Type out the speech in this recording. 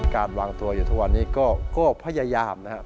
การวางตัวอยู่ทุกวันนี้ก็พยายามนะครับ